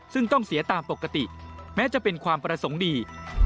ซึ่งต้องเสียตามปกติแม้จะเป็นความประสงค์ดี